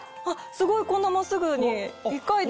すごいこんな真っすぐに１回で。